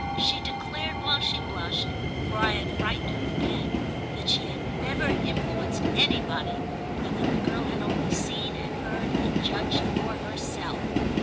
She declared while she blushed—for I had frightened her again—that she had never influenced anybody and that the girl had only seen and heard and judged for herself.